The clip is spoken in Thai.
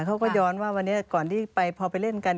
เขาก็ย้อนว่าวันนี้ก่อนที่ไปพอไปเล่นกัน